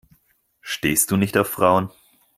Stehst du nicht auf Frauen?